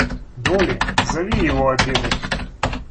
Долли, зови его обедать!